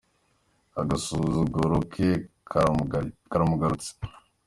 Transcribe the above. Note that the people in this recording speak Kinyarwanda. Agasuzugoro ke karamugarutse.